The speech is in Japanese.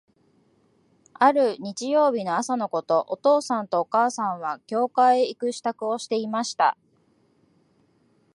ある日曜日の朝のこと、お父さんとお母さんは、教会へ行く支度をしていました。